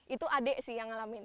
itu adik sih yang ngalamin